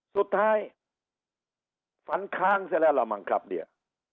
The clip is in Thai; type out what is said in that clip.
สุดท้ายฝันค้างเสียแล้วเราบังคับเนี่ย